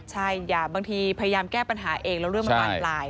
ใช่บางทีพยายามแก้ปัญหาเองแล้วเรื่องมันบานปลาย